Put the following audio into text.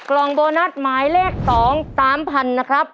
กล่องโบนัสหมายเลข๒๓๐๐๐นะครับ